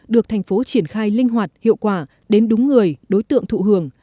được thành phố triển khai linh hoạt hiệu quả đến đúng người đối tượng thụ hưởng